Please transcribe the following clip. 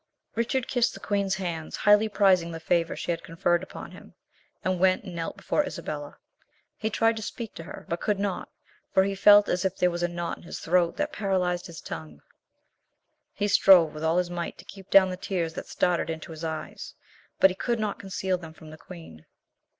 Richard kissed the queen's hands, highly prizing the favour she had conferred upon him, and went and knelt before Isabella. He tried to speak to her, but could not, for he felt as if there was a knot in his throat that paralysed his tongue. He strove with all his might to keep down the tears that started into his eyes, but he could not conceal them from the queen.